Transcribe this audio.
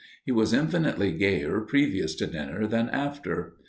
He was infinitely gayer previous to dinner than after.